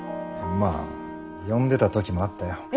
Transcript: まあ呼んでた時もあったよ。